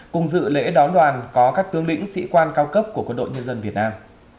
cùng dự lễ đón đoàn có các tướng lĩnh sĩ quan cao cấp của quân đội nhân dân việt nam